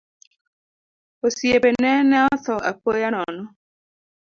Osiepene ne otho apoya nono.